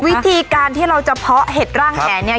วิธีการที่เราจะเพาะเห็ดร่างแหเนี่ย